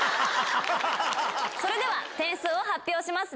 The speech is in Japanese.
それでは点数を発表します。